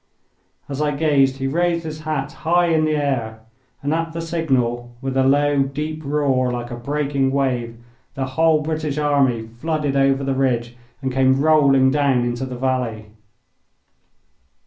As I gazed, he raised his hat high in the air, and at the signal, with a low, deep roar like a breaking wave, the whole British army flooded over their ridge and came rolling down into the valley.